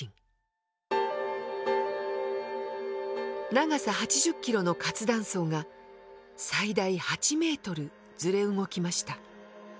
長さ８０キロの活断層が最大８メートルずれ動きました。